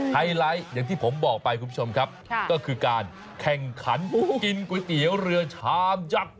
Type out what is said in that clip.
ไฮไลท์อย่างที่ผมบอกไปคุณผู้ชมครับก็คือการแข่งขันกินก๋วยเตี๋ยวเรือชามยักษ์